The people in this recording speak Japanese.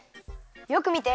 よくみて。